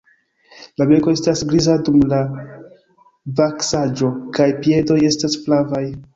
La beko estas griza dum la vaksaĵo kaj piedoj estas flavaj.